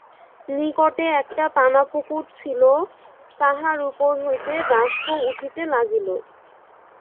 নিকটে একটা পানাপুকুর ছিল, তাহার উপর হইতে বাষ্প উঠিতে লাগিল।